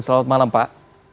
selamat malam pak